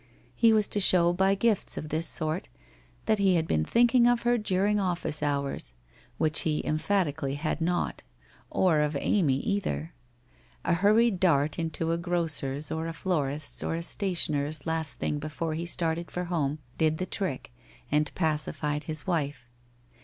He was to show by gifts of this sort ' that he had been thinking of her during office hours/ which he emphatically had not, or of Amy either. A hur ried dart into a grocers' or a florists' or a stationers' last thing before he started for home did the trick, and pacified his wife.